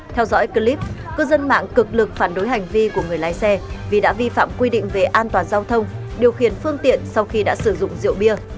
theo dõi clip cư dân mạng cực lực phản đối hành vi của người lái xe vì đã vi phạm quy định về an toàn giao thông điều khiển phương tiện sau khi đã sử dụng rượu bia